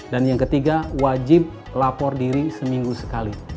dan yang ketiga wajib lapor diri seminggu sekali